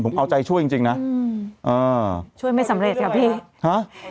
ผมเอาใจช่วยจริงจริงนะอืมอ่าช่วยไม่สำเร็จค่ะพี่ฮะ